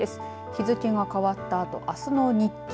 日付が変わったあとあすの日中